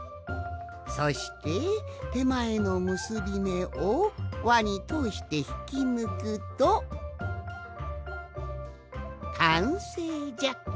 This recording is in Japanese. そしててまえのむすびめをわにとおしてひきぬくとかんせいじゃ。